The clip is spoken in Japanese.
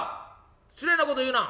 失礼なこと言うな。